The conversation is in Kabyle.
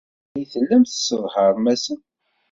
Anda ay tellam tesseḍharem-asen?